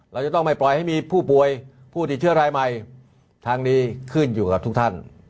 เราจะต้องไม่ปล่อยให้มีผู้ป่วยผู้ติดเชื้อรายใหม่ทางนี้ขึ้นอยู่กับทุกท่าน